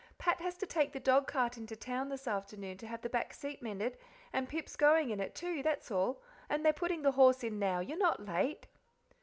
Pat has to take the dogcart into town this afternoon to have the back seat mended, and Pip's going in it, too, that's all, and they're putting the horse in now; you're not late."